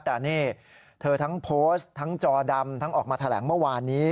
แต่นี่เธอทั้งโพสต์ทั้งจอดำทั้งออกมาแถลงเมื่อวานนี้